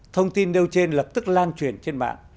thông tin nêu trên lập tức lan truyền trên mạng